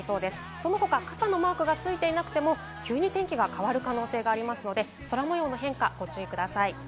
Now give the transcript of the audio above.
その他、傘のマークがついていなくても急に天気が変わる可能性がありますので、空模様の変化、ご注意ください。